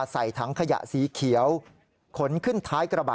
ใส่ถังขยะสีเขียวขนขึ้นท้ายกระบะ